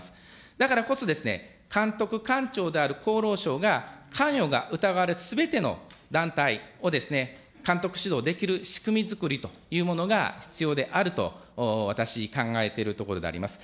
だからこそ、監督官庁である厚労省が、関与が疑われるすべての団体を、監督指導できる仕組みづくりというものが必要であると私、考えているところであります。